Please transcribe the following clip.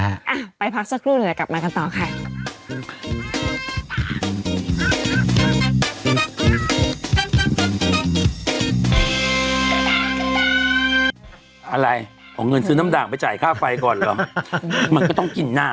อ่ะไปพักสักครู่เดี๋ยวกลับมากันต่อค่ะ